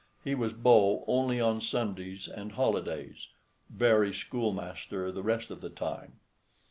He was beau only on Sundays and holidays; very schoolmaster the rest of the time.